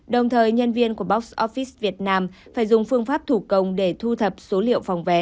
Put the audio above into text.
đồng thời nhân viên của box office việt nam phải dùng phương pháp thủ công để thu thập số liệu phòng vé